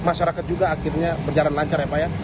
masyarakat juga akhirnya berjalan lancar ya pak ya